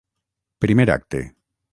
Primer acte.